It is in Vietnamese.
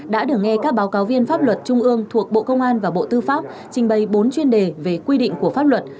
đã được nghe các báo cáo viên pháp luật trung ương thuộc bộ công an và bộ tư pháp trình bày bốn chuyên đề về quy định của pháp luật